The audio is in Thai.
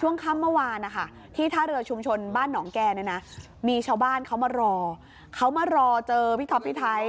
ช่วงค่ำเมื่อวานนะคะที่ท่าเรือชุมชนบ้านหนองแก่เนี่ยนะมีชาวบ้านเขามารอเขามารอเจอพี่ท็อปพี่ไทย